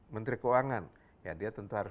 menteri keuangan ya dia tentu harus